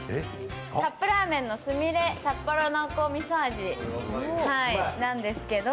カップラーメンのすみれ札幌濃厚味噌味なんですけど。